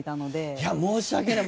いや申し訳ない！